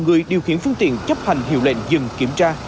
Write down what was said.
người điều khiển phương tiện chấp hành hiệu lệnh dừng kiểm tra